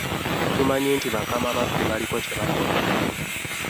Tumanyi nti bakama baffe baliko kye bakola.